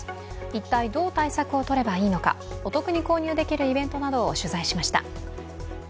一体どう対策をとればいいのか、お得に購入できるイベントなどを取材しました。